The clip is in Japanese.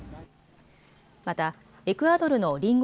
またエクアドルの隣国